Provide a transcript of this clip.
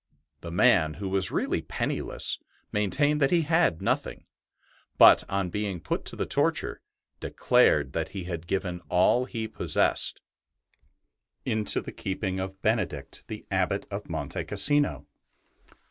The man, who was really penniless, maintained that he had nothing; but on being put to the torture, declared that he had given all he possessed into the keeping of Benedict, the Abbot of Monte Cassino.